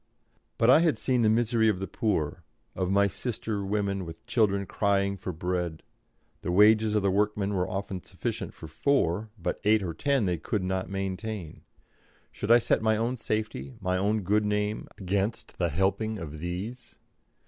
But I had seen the misery of the poor, of my sister women with children crying for bread; the wages of the workmen were often sufficient for four, but eight or ten they could not maintain. Should I set my own safety, my own good name, against the helping of these?